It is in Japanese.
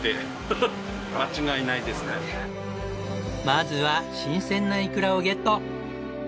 まずは新鮮なイクラをゲット！